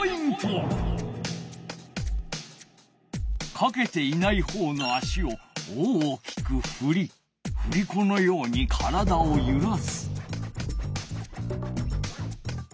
かけていないほうの足を大きくふりふりこのように体をゆらす。